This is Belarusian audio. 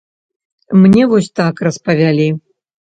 Мне вось так распавялі.